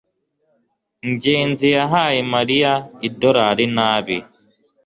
ngenzi yahaye mariya idorari nabi